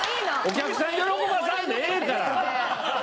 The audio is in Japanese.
お客さん喜ばさんでええから。